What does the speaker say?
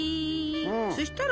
そしたら？